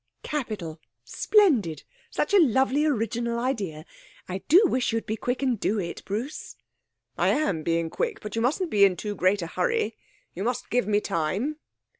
'Capital! Splendid! Such a lovely original idea. I do wish you'd be quick and do it, Bruce.' 'I am being quick; but you mustn't be in too great a hurry; you must give me time.'